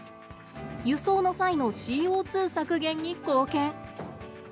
輸送の際のＣＯ削減に貢献。